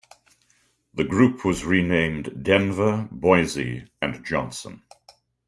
The group was renamed Denver, Boise and Johnson.